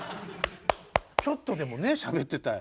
ちょっとでもねしゃべってたい。